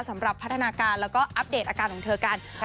สำหรับพัฒนาการแล้วก็อัปเดตอาการของเธอกัน